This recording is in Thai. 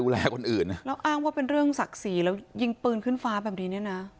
แล้วอ้างว่าเป็นเรื่องศักดิ์ศรีแล้วยิงปืนขึ้นฟ้าแบบนี้นะ